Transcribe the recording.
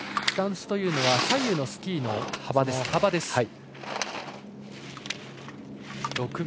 スタンスというのは左右のスキーの幅です。